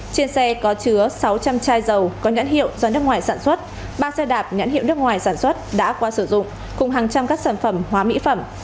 trên xe có chứa sáu trăm linh chai dầu có nhãn hiệu do nước ngoài sản xuất ba xe đạp nhãn hiệu nước ngoài sản xuất đã qua sử dụng cùng hàng trăm các sản phẩm hóa mỹ phẩm